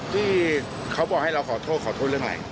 ที่เขาบอกให้เราขอโทษขอโทษเรื่องอะไร